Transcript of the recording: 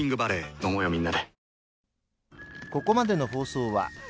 飲もうよみんなで。